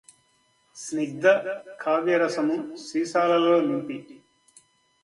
స్నిగ్ధ కావ్యరసము సీసాలలో నింపి